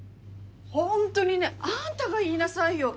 ホントにねぇあんたが言いなさいよ。